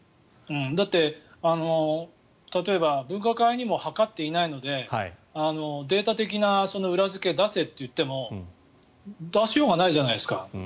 だって、例えば分科会にも諮っていないのでデータ的な裏付けを出せと言っても出しようがないじゃないですか。